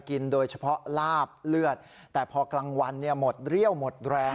โดยเฉพาะลาบเลือดแต่พอกลางวันหมดเรี่ยวหมดแรง